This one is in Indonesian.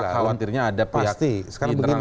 tak khawatirnya ada pihak internal polisian